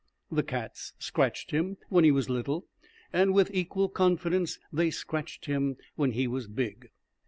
The cats scratched him when he was little, and with equal confidence they scratched him when he was big.